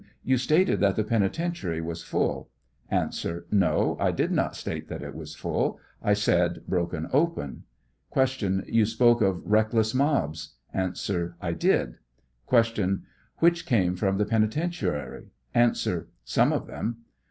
You stated that the penitentiary was full ? A. No ; I did not state that it was full ; 1 said bro ken open. Q. You spoke of reckless mobs ? A. 1 did. Q. Which came from the penitentiary ? A. Some of them.